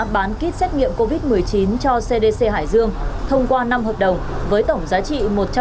bán kit xét nghiệm covid một mươi chín cho cdc hải dương thông qua năm hợp đồng với tổng giá trị